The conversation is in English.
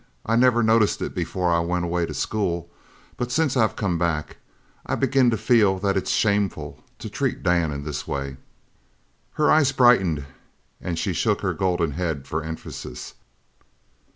I never noticed it before I went away to school, but since I've come back I begin to feel that it's shameful to treat Dan in this way." Her eyes brightened and she shook her golden head for emphasis.